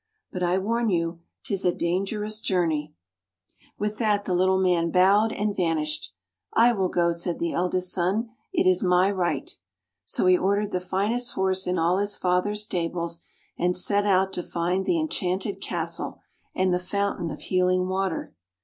But I warn you, 'tis a dangerous journey." [ 99 ] FAVORITE FAIRY TALES RETOLD With that the Little Man bowed, and vanished. " I will go," said the eldest son. " It is my right." So he ordered the finest horse in all his father's stables, and set out to find the en chanted castle, and the fountain of healing water.